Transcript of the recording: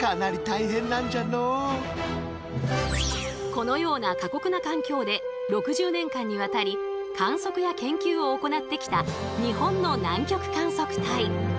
このような過酷な環境で６０年間にわたり観測や研究を行ってきた日本の南極観測隊。